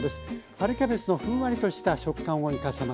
春キャベツのふんわりとした食感を生かせます。